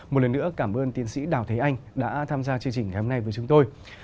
một lần nữa cảm ơn tiến sĩ đào thế anh đã tham gia chương trình ngày hôm nay với chúng tôi